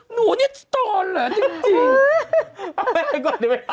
หนูเนี่ยตอนแหละจริง